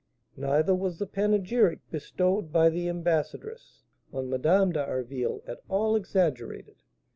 Neither was the panegyric bestowed by the ambassadress on Madame d'Harville at all exaggerated.